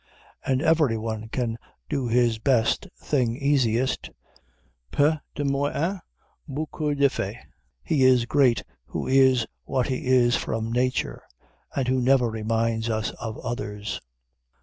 And everyone can do his best thing easiest. "Peu de moyens, beaucoup d'effét." He is great who is what he is from nature, and who never reminds us of others.